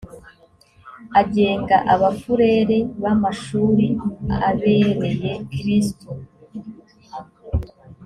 agenga abafurere b amashuri abereye kristu